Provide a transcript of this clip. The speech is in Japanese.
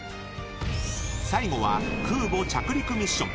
最後は、空母着陸ミッション。